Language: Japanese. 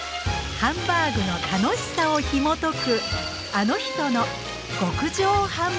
ハンバーグの楽しさをひもとく